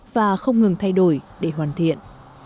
và không ngừng thay đổi để hoàn thiện